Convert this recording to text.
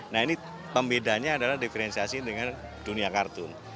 nah ini pembedanya adalah diferensiasi dengan dunia kartun